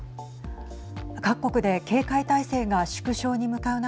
各国で警戒態勢が縮小に向かう中